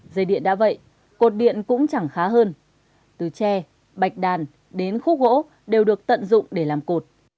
dây điện đã vậy cột điện cũng chẳng khá hơn từ tre bạch đàn đến khúc gỗ đều được tận dụng để làm cột